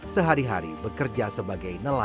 sehari hari bekerja sebagai nelayan pencari ikan